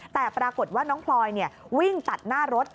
แต่ปรากฏว่าน้องพลอยวิ่งตัดหน้ารถ